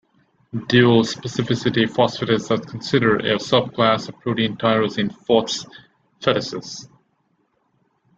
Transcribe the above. Dual-specificity phosphatases are considered a sub-class of protein tyrosine phosphatases.